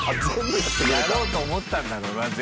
やろうと思ったんだろうな全部。